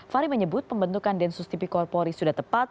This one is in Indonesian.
fahri menyebut pembentukan densus tipikor polri sudah tepat